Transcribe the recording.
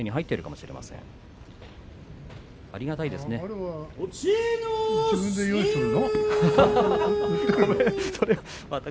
あれは自分で用意するの？